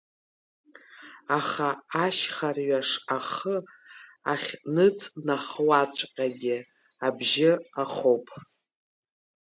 Аха ашьха рҩаш ахы ахьныҵнахуаҵәҟьагьы абжьы ахоуп.